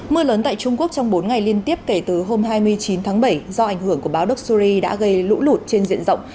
mưa lớn tại trung quốc trong bốn ngày liên tiếp kể từ hôm hai mươi chín tháng bảy do ảnh hưởng của báo đốc sury đã gây lũ lụt trên diện rộng